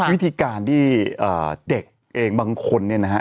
วิธีการที่เด็กเองบางคนเนี่ยนะฮะ